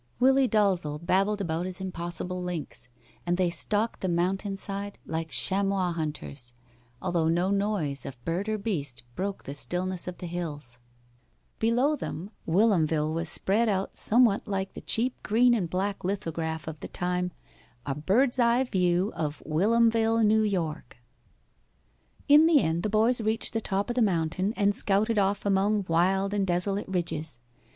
Willie Dalzel babbled about his impossible lynx, and they stalked the mountain side like chamois hunters, although no noise of bird or beast broke the stillness of the hills. Below them Whilomville was spread out somewhat like the cheap green and black lithograph of the time "A Bird's eye View of Whilomville, N. Y." [Illustration: THE DALZEL BOY TAKING THE PART OF A BANDIT CHIEF] In the end the boys reached the top of the mountain and scouted off among wild and desolate ridges.